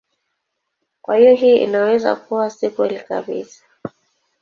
Kwa hiyo hii inaweza kuwa si kweli kabisa.